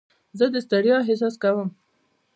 زه د ستړیا احساس کوم.